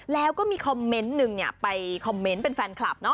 แล้วก็มีคอมเมนต์หนึ่งไปคอมเมนต์เป็นแฟนคลับ